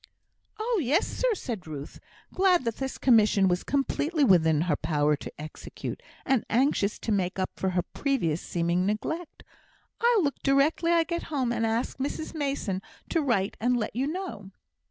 "Oh, yes, sir," said Ruth, glad that this commission was completely within her power to execute, and anxious to make up for her previous seeming neglect. "I'll look directly I get home, and ask Mrs Mason to write and let you know."